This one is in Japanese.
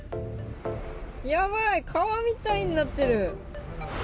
やばい、川みたいになってる。